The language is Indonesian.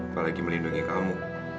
apalagi melindungi kamu